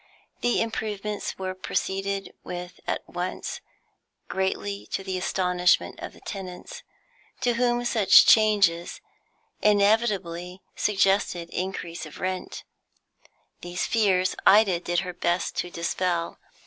The improvements were proceeded with at once, greatly to the astonishment of the tenants, to whom such changes inevitably suggested increase of rent. These fears Ida did her best to dispel.